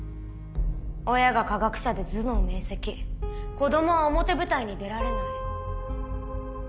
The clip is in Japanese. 親が科学者で頭脳明晰子供は表舞台に出られない。